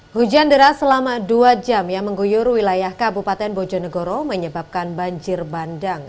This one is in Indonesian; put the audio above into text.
hujan deras selama dua jam yang mengguyur wilayah kabupaten bojonegoro menyebabkan banjir bandang